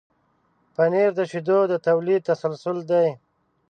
پنېر د شیدو د تولید تسلسل دی.